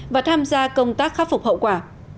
và tham gia công tác khắc phục hậu quả